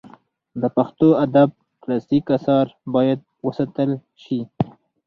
د پښتو ادب کلاسیک آثار باید وساتل سي.